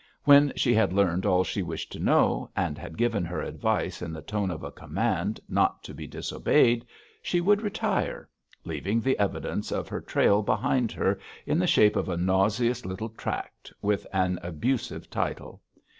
When she had learned all she wished to know, and had given her advice in the tone of a command not to be disobeyed, she would retire, leaving the evidence of her trail behind her in the shape of a nauseous little tract with an abusive title.